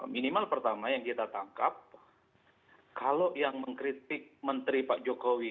minimal pertama yang kita tangkap kalau yang mengkritik menteri pak jokowi